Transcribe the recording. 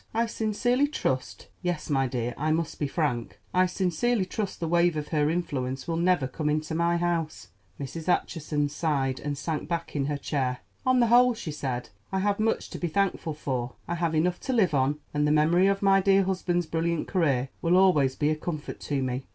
I sincerely trust—yes, my dear, I must be frank—I sincerely trust the wave of her influence will never come into my house." Mrs. Acheson sighed and sank back in her chair. "On the whole," she said, "I have much to be thankful for. I have enough to live on, and the memory of my dear husband's brilliant career will always be a comfort to me.